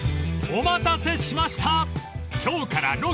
［お待たせしました！］